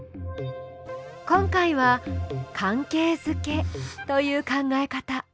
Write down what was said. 今回は「関係づけ」という考え方。